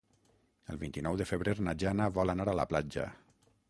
El vint-i-nou de febrer na Jana vol anar a la platja.